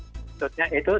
tentunya itu tenda untuk